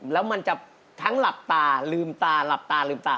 แล้วมันจะทั้งหลับตาลืมตาหลับตาลืมตา